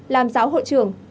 làm giáo hội trưởng